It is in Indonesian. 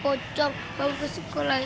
pokok pokok mampus sekolah ini